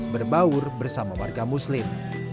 berbaur bersama warga muslim